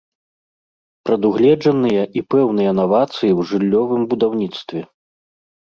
Прадугледжаныя і пэўныя навацыі ў жыллёвым будаўніцтве.